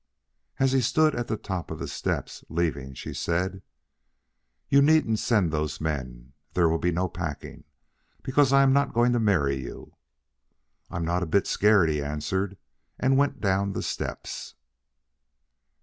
As he stood at the top of the steps, leaving, she said: "You needn't send those men. There will be no packing, because I am not going to marry you." "I'm not a bit scared," he answered, and went down the steps.